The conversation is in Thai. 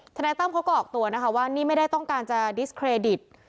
นายตั้มเขาก็ออกตัวนะคะว่านี่ไม่ได้ต้องการจะดิสเครดิต